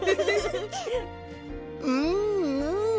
うんうん！